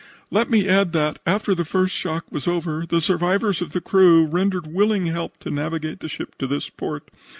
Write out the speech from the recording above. "Let me add that, after the first shock was over, the survivors of the crew rendered willing help to navigate the ship to this port.